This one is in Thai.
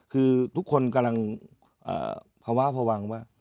คือทุกคนกำลังภาวะพวังว่า